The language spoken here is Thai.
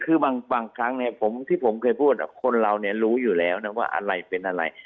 คือบางครั้งที่ผมเคยพูดคนเราเนี่ยรู้อยู่แล้วนะว่าอะไรเป็นอะไร